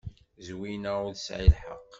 Zwina ur tesɛi lḥeqq.